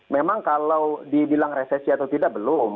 memang kalau dibilang resesi atau tidak belum